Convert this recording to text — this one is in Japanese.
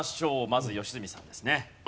まず良純さんですね。